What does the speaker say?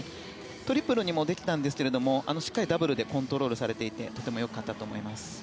トリプルにもできましたがダブルでコントロールされていてとても良かったと思います。